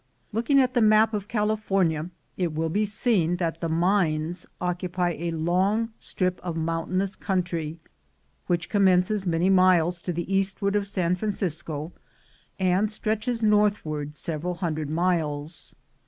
Looking at the map of California, it will be seen that "(the "mines" occupy a long strip of mountainous country, which commences many miles to the eastward of San Francisco, and stretches northward several hundred miles.